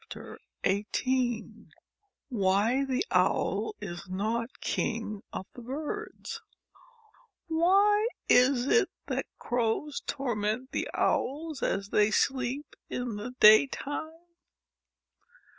39 XVIII WHY THE OWL IS NOT KING OF THE BIRDS WHY is it that Crows torment the Owls as they sleep in the daytime